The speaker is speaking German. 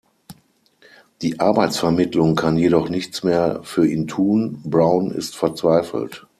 Die Arbeitsvermittlung kann jedoch nichts mehr für ihn tun; Brown ist verzweifelt.